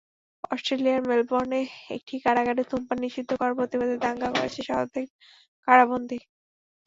অস্ট্রেলিয়ার মেলবোর্নে একটি কারাগারে ধূমপান নিষিদ্ধ করার প্রতিবাদে দাঙ্গা করেছে শতাধিক কারাবন্দী।